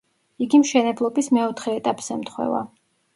იგი მშენებლობის მეოთხე ეტაპს ემთხვევა.